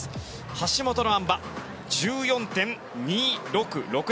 橋本のあん馬は１４．２６６。